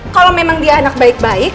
kalau memang dia anak baik baik